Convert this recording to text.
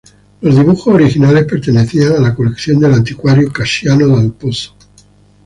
Los dibujos originales pertenecían a la colección del anticuario Cassiano dal Pozzo.